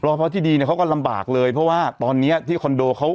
พอที่ดีเนี่ยเขาก็ลำบากเลยเพราะว่าตอนนี้ที่คอนโดเขา